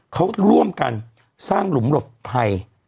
เขาร่วมกันสร้างหลุมหลบภัย